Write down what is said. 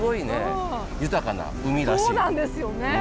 そうなんですよね！